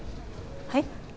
はい？